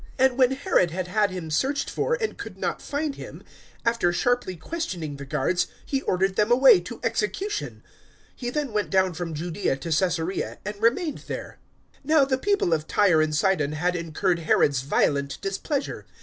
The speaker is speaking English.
012:019 And when Herod had had him searched for and could not find him, after sharply questioning the guards he ordered them away to execution. He then went down from Judaea to Caesarea and remained there. 012:020 Now the people of Tyre and Sidon had incurred Herod's violent displeasure.